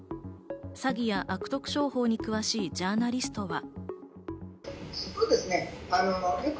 詐欺や悪徳商法に詳しいジャーナリストは。